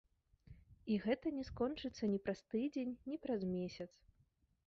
І гэта не скончыцца ні праз тыдзень, ні праз месяц.